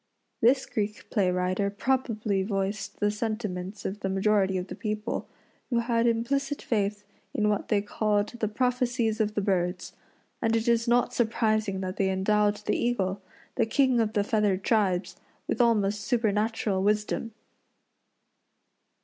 This Greek play writer probably voiced the sentiments of the majority of the people, who had implicit faith in what they called "the prophecies of the birds;" and it is not surprising that they endowed the eagle the king of the feathered tribes with almost supernatural wisdom.